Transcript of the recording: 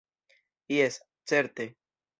Jes, certe!